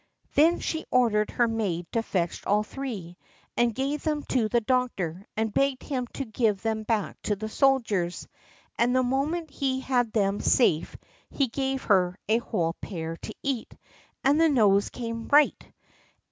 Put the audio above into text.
Then she ordered her maid to fetch all three, and gave them to the doctor, and begged him to give them back to the soldiers; and the moment he had them safe he gave her a whole pear to eat, and the nose came right.